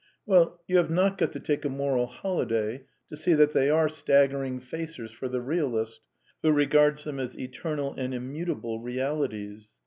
Well, you have not got to take a moral holiday to see that they are staggering facers for the realist, who regards them as eternal and immutable realities.